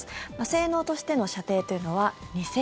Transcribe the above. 性能としての射程というのは２０００ｋｍ。